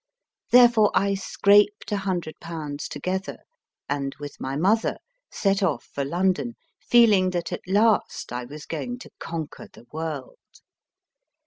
Therefore, I scraped a hundred pounds together, and, with my mother, set off for London, feeling that, at last, I was going to conquer the world.